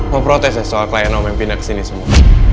mau protes ya soal klien om yang pindah kesini semua